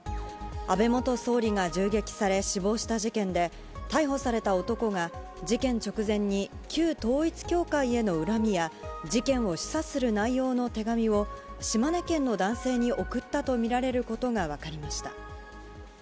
安倍元総理が銃撃され死亡した事件で、逮捕された男が、事件直前に旧統一教会への恨みや事件を示唆する内容の手紙を島根県の男性に送ったと見られることが分かりました。